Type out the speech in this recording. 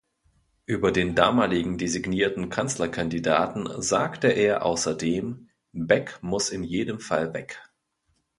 Über den damaligen designierten Kanzlerkandidaten sagte er außerdem: „Beck muss in jedem Fall weg.